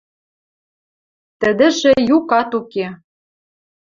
Тӹдӹжӹ юкат уке.